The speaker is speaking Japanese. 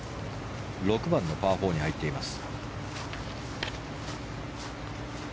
６番のパー４に入っています。